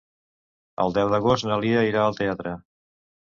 El deu d'agost na Lia irà al teatre.